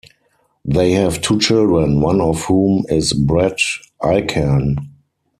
They have two children, one of whom is Brett Icahn.